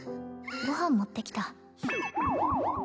ご飯持ってきた